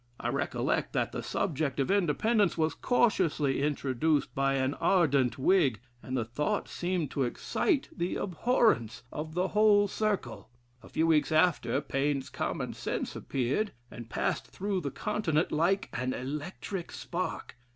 I recollect that the subject of Independence was cautiously introduced by an ardent Whig, and the thought seemed to excite the abhorrence of the whole circle. A few weeks after, Paine's 'Common Sense' appeared, and passed through the continent like an electric spark.